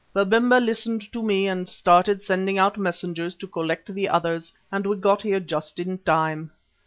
Babemba listened to me and started sending out messengers to collect the others and we got here just in time.